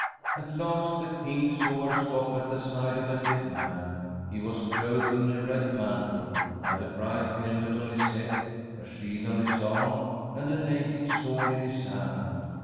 At last the King saw her stop at the side of a dead man. He was clothed in a red mantle, had a bright helmet on his head, a shield on his arm, and a naked sword in his hand.